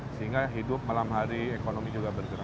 sehingga hidup malam hari ekonomi juga bergerak